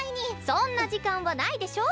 そんな時間はないでしょ！